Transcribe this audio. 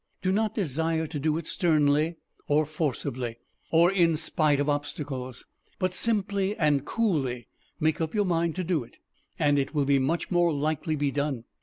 Do not desire to do it sternly or forcibly, or in spite of obstacles but simply and coolly make up your mind to do it and it will much more likely be done.